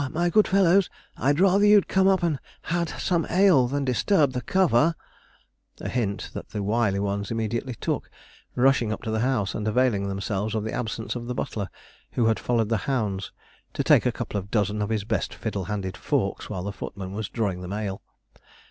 my good fellows, I'd rather you'd come up and had some ale than disturbed the cover'; a hint that the wily ones immediately took, rushing up to the house, and availing themselves of the absence of the butler, who had followed the hounds, to take a couple of dozen of his best fiddle handled forks while the footman was drawing them the ale.